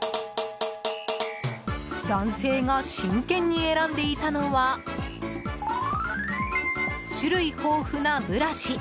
男性が真剣に選んでいたのは種類豊富なブラシ。